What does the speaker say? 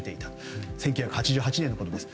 １９８８年のことです。